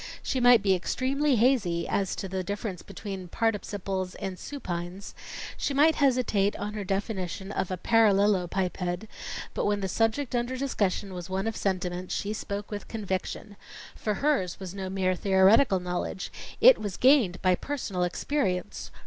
She might be extremely hazy as to the difference between participles and supines, she might hesitate on her definition of a parallelopiped, but when the subject under discussion was one of sentiment, she spoke with conviction. For hers was no mere theoretical knowledge; it was gained by personal experience.